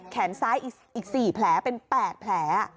แขนซ้ายอีก๔แผลเป็น๘แผล